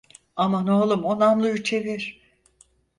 Aman oğlum o namluyu çevir.